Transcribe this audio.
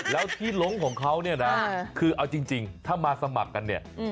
แล้วที่หลงของเขาคือเอาจริงถ้ามาสมัครกัน